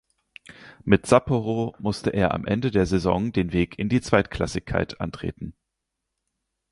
Mit Sapporo musste er am Ende der Saison den Weg in die Zweitklassigkeit antreten.